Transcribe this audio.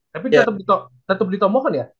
tapi tetep di tomohon ya